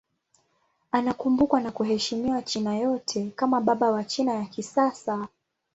Anakumbukwa na kuheshimiwa China yote kama baba wa China ya kisasa.